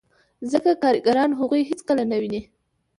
ځکه کارګران هغوی هېڅکله نه ویني